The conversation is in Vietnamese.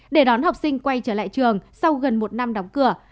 để đón học sinh quay trở lại trường sau gần một năm đóng cửa